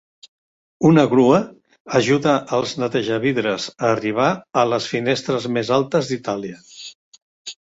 Una grua ajuda als netejavidres a arribar a les finestres més altes d'Itàlia.